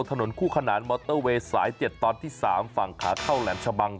ถนนคู่ขนานมอเตอร์เวย์สาย๗ตอนที่๓ฝั่งขาเข้าแหลมชะบัง